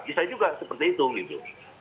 bisa juga seperti itu gitu